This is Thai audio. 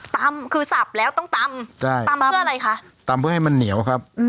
ตำคือสับแล้วต้องตำใช่ตำเพื่ออะไรคะตำเพื่อให้มันเหนียวครับ